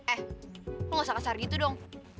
eh gue gak usah kasar gitu dong